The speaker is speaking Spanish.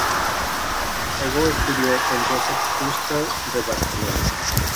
Luego estudió con Josep Fuster de Barcelona.